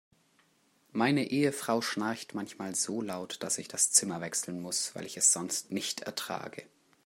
Meine Ehefrau schnarcht manchmal so laut, dass ich das Zimmer wechseln muss, weil ich es sonst nicht ertrage.